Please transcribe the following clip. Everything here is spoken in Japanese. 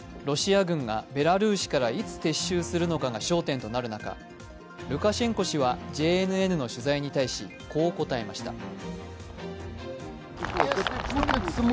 ロシア軍がベラルーシからいつ撤収するのかが焦点となる中ルカシェンコ氏はＪＮＮの取材に対し、こう答えました。